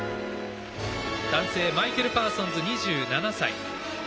男性、マイケル・パーソンズ２７歳。